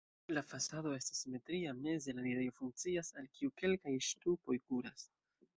La fasado estas simetria, meze la enirejo funkcias, al kiu kelkaj ŝtupoj kuras.